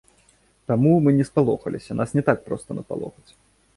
Таму, мы не спалохаліся, нас не так проста напалохаць.